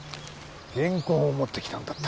原稿を持ってきたんだった。